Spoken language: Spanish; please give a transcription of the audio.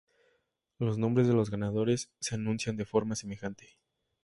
Los nombres de los ganadores se anuncian de forma semejante.